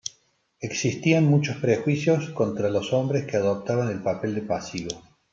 Existían muchos prejuicios contra los hombres que adoptaban el papel de pasivo.